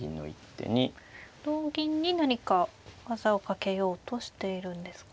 同銀に何か技をかけようとしているんですか。